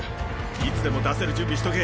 いつでも出せる準備しとけ。